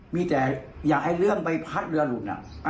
มีแต่อย่างไอ้เรื่องใบพัดเรือหลุดน่ะ